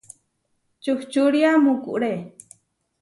Čuhčúria mukuré.